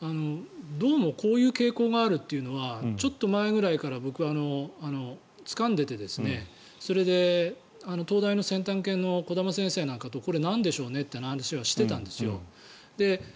どうもこういう傾向があるというのはちょっと前くらいから僕はつかんでてそれで東大の先端研の児玉先生なんかとこれ、なんでしょうねという話はしていたんですよ。